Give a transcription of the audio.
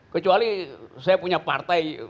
kecuali saya punya partai